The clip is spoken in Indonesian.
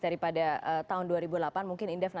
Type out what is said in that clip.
daripada tahun dua ribu delapan mungkin indef